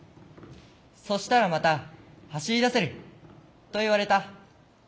そしたらまた走りだせる」と言われた。